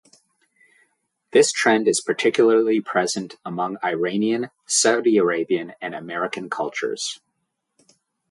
This trend is particularly present among Iranian, Saudi-Arabian, and American cultures.